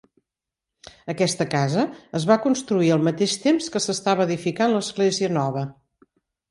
Aquesta casa es va construir al mateix temps que s'estava edificant l'església nova.